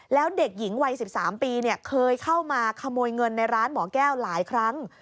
แล้วเด็กหญิงวัย๑๓ปีเคยเข้ามาขโมยเงินในร้านหมอแก้วหลายครั้ง